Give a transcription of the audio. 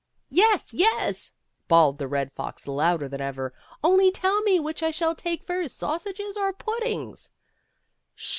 " Yes, yes," bawled the Red Fox louder than ever, " only tell me which I shall take first, sausages or puddings